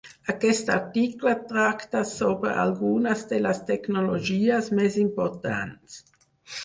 Aquest article tracta sobre algunes de les tecnologies més importants.